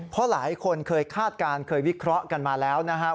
เพราะหลายคนเคยคาดการณ์เคยวิเคราะห์กันมาแล้วนะครับ